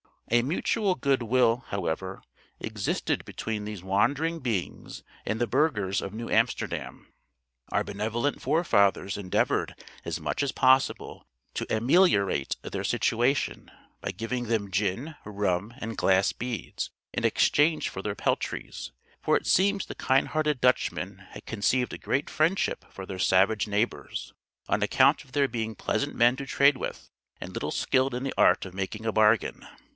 A mutual good will, however, existed between these wandering beings and the burghers of New Amsterdam. Our benevolent forefathers endeavored as much as possible to ameliorate their situation, by giving them gin, rum, and glass beads, in exchange for their peltries; for it seems the kind hearted Dutchmen had conceived a great friendship for their savage neighbors, on account of their being pleasant men to trade with, and little skilled in the art of making a bargain.